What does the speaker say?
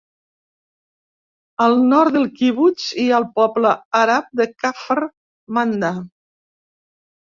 Al nord del kibbutz hi ha el poble àrab de Kafr Manda.